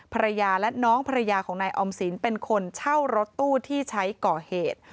ภรรยาและน้องภรรยาของนายออมสินเป็นคนเช่ารถตู้ที่ใช้ก่อเหตุ